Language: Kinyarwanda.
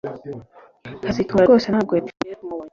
kazitunga rwose ntabwo yapfuye tumubonye